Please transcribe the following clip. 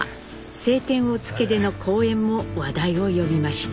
「青天を衝け」での好演も話題を呼びました。